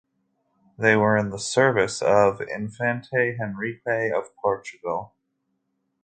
They were in the service of Infante Henrique of Portugal.